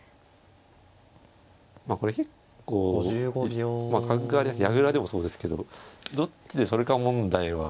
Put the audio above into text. まあこれ結構角換わり矢倉でもそうですけどどっちで取るか問題は。